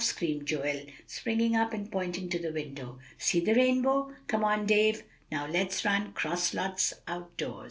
screamed Joel, springing up and pointing to the window; "see the rainbow! Come on Dave, now let's run 'cross lots out doors!" XIX. THE GREEN UMBRELLA.